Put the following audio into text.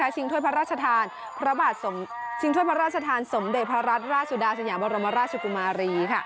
ชิงถ้วยพระราชทานสมเด็จพระราชราชสุดาสัญญาบรรมราชชุกุมารี